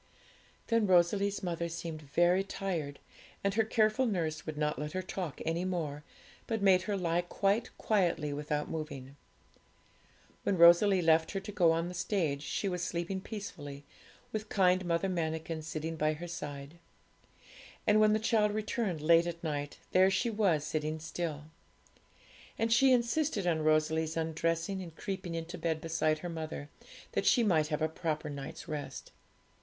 Then Rosalie's mother seemed very tired, and her careful nurse would not let her talk any more, but made her lie quite quietly without moving. When Rosalie left her to go on the stage, she was sleeping peacefully, with kind Mother Manikin sitting by her side. And when the child returned late at night, there she was sitting still. And she insisted on Rosalie's undressing and creeping into bed beside her mother, that she might have a proper night's rest.